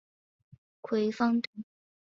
葵芳邨。